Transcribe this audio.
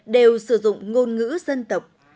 đều sử dụng ngôn ngữ dân tộc